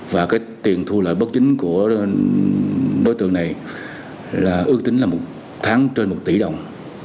và cái tiền thu lợi bất chính của đối tượng này là ước tính là một tháng trên một tỷ đồng